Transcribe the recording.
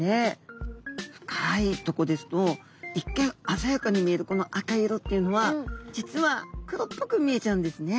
深いとこですと一見鮮やかに見えるこの赤い色っていうのは実は黒っぽく見えちゃうんですね。